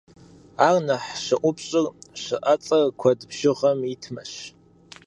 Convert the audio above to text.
Ар нэхъ щыӏупщӏыр щыӏэцӏэр куэд бжыгъэм итмэщ.